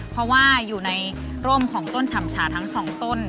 เพราะว่าอยู่ในร่มของต้นฉ่ำฉาทั้ง๒ต้น